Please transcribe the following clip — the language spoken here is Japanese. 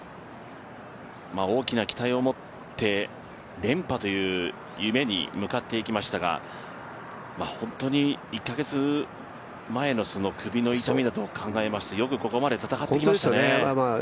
大きな期待を持って連覇という夢に向かっていきましたが、本当に１カ月前の首の痛みなどを考えますとよくここまで戦ってきましたね。